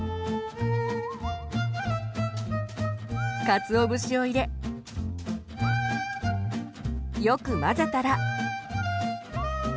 かつお節を入れよく混ぜたら。